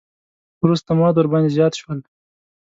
وروسته مواد ورباندې زیات شول.